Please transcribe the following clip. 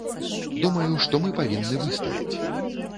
Думаю, што мы павінны выстаяць.